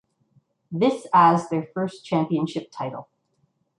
This as their first championship title.